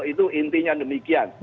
itu intinya demikian